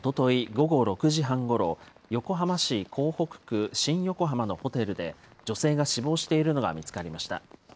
午後６時半ごろ、横浜市港北区新横浜のホテルで、女性が死亡しているのが見つかりました。